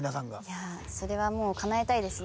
いやそれはもう叶えたいですね。